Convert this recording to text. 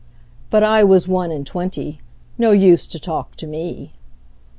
'But I was one and twenty, No use to talk to me.